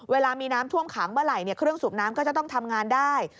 เวลามีน้ำท่วมขังเมื่อไหร่เครื่องสูบน้ำก็จะต้องทำงานได้